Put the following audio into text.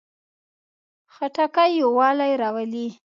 خټکی یووالی راولي.